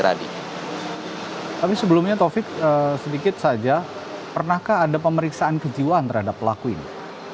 tapi sebelumnya taufik sedikit saja pernahkah ada pemeriksaan kejiwaan terhadap pelaku ini